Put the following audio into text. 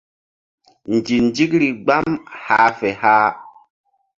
Nzinzikri gbam hah fe hah.